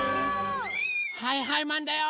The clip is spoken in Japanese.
はいはいマンだよ！